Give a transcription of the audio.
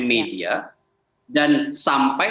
media dan sampai